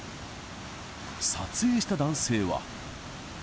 撮影した男性は。